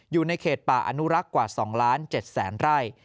อยู่ในเขตป่าอนุรักษ์กว่า๒๗๐๐ไร่